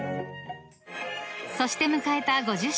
［そして迎えた５０周年］